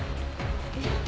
えっ？